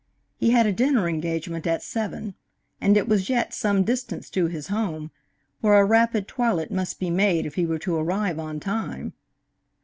He had a dinner engagement at seven, and it was yet some distance to his home, where a rapid toilet must be made if he were to arrive on time.